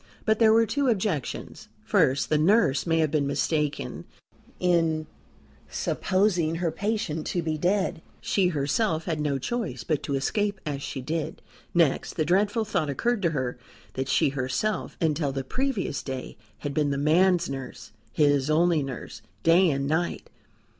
But there were two objections. First, the nurse may have been mistaken in supposing her patient to be dead. She herself had no choice but to escape as she did. Next, the dreadful thought occurred to her that she herself until the previous day had been the man's nurse his only nurse, day and night.